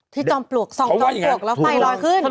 จอมปลวกส่องจอมปลวกแล้วไฟลอยขึ้น